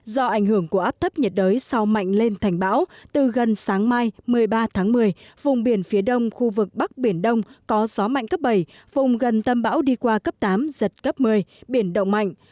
do ảnh hưởng của áp thấp nhiệt đới sau mạnh lên thành bão từ gần sáng mai một mươi ba tháng một mươi vùng biển phía đông khu vực bắc biển đông có gió mạnh cấp bảy vùng gần tâm bão đi qua cấp tám giật cấp một mươi biển động mạnh